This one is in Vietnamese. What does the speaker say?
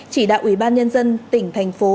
chỉ đạo ủy ban nhân dân tỉnh thành phố